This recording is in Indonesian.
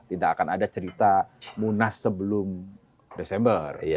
tidak akan ada cerita munas sebelum desember